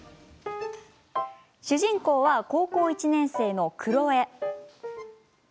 主人公は高校１年生のクロエ。